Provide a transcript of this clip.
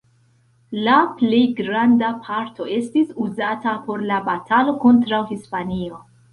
La plej granda parto estis uzata por la batalo kontraŭ Hispanio.